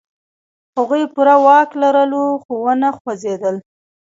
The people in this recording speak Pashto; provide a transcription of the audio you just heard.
هغوی پوره واک لرلو، خو و نه خوځېدل.